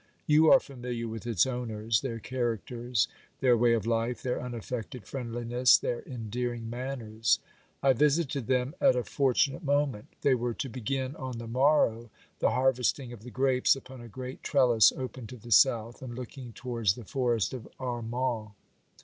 You are familiar with its owners, their characters, their way of life, their unaffected friendli ness, their endearing manners. I visited them at a fortunate moment : they were to begin on the morrow the harvesting of the grapes upon a great trellis open to the south and looking towards the forest of Armand.